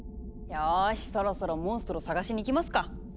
よしそろそろモンストロ探しに行きますか。